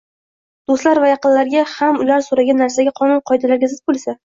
Do‘stlar va yaqinlarga ham ular so‘ragan narsaga qonun-qoidalanga zid bo‘lsa